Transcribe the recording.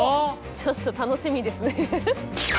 ちょっと楽しみですね。